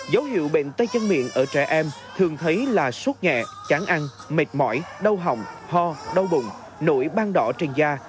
dấu hiệu bệnh tay chân miệng ở trẻ em thường thấy là sốt nhẹ chán ăn mệt mỏi đau hỏng ho đau bụng nổi bang đỏ trên da